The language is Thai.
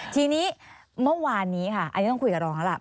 ทีนี้เมื่อวานนี้ค่ะอันนี้ต้องคุยกับรองแล้วล่ะ